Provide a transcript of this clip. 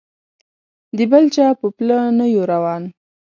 د بل چا په پله نه یو روان.